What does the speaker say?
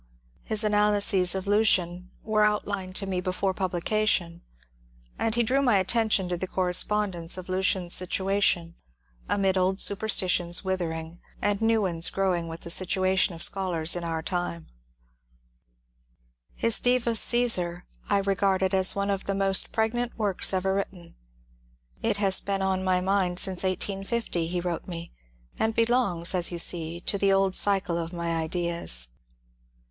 His analyses of Lucian were outlined to me before publication, and he drew my attention to the correspondence of Lucian's situation amid old superstitions withering and new ones growing with the situation of scholars in our time. ,<v A FORTNIGHT IN IRELAND 209 His ^ Divus Caesar " I regarded as one of the most pregnant works ever written. ^^ It has been on my mind since 1850," he wrote me, ^^ and belongs, as you see, to the old cycle of my ideas."